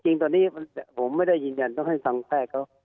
จริงตอนนี้ผมไม่ได้ยืนยันต้องให้ทางแพทย์เขา